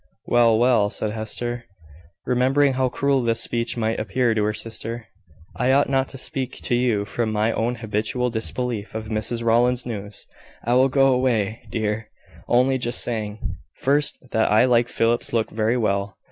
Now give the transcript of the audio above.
"Well, well," said Hester, remembering how cruel this speech might appear to her sister, "I ought not to speak to you from my own habitual disbelief of Mrs Rowland's news. I will go away, dear; only just saying, first, that I like Philip's looks very well.